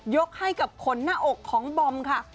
ยกให้กับขนหน้าอกของบอมค่ะ